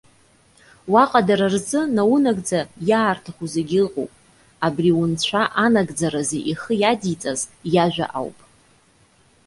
Уаҟа дара рзы, наунагӡа иаарҭаху зегьы ыҟоуп. Абри унцәа анагӡаразы ихы иадиҵаз иажәа ауп.